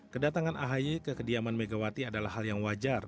kedatangan ahy ke kediaman megawati adalah hal yang wajar